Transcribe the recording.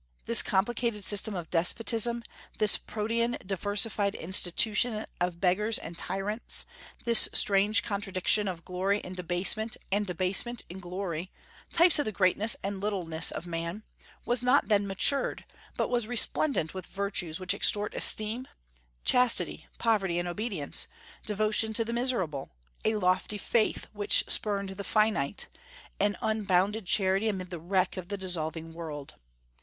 This complicated system of despotism, this Protean diversified institution of beggars and tyrants, this strange contradiction of glory in debasement and debasement in glory (type of the greatness and littleness of man), was not then matured, but was resplendent with virtues which extort esteem, chastity, poverty, and obedience, devotion to the miserable, a lofty faith which spurned the finite, an unbounded charity amid the wreck of the dissolving world.